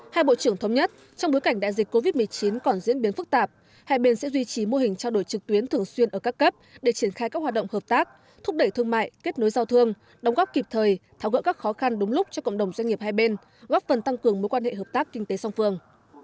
hai bộ trưởng thống nhất trong bối cảnh đại dịch covid một mươi chín còn diễn biến phức tạp hai bên sẽ duy trì mô hình trao đổi trực tuyến thường xuyên ở các cấp để triển khai các hoạt động hợp tác thúc đẩy thương mại kết nối giao thương đóng góp kịp thời tháo gỡ các khó khăn đúng lúc cho cộng đồng doanh nghiệp hai bên góp phần tăng cường mối quan hệ hợp tác kinh tế song phương